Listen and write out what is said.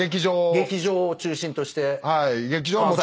劇場を中心として。